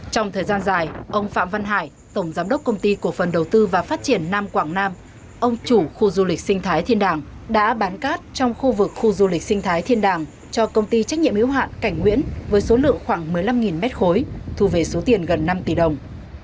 trong thời gian dài ông phạm văn hải tổng giám đốc công ty cổ phần đầu tư và phát triển nam quảng nam ông chủ khu du lịch sinh thái thiên đàng đã bán cát trong khu vực khu du lịch sinh thái thiên đàng cho công ty trách nhiệm hiếu hạn cảnh nguyễn với số lượng khoảng một mươi năm mét khối thu về số tiền gần năm tỷ đồng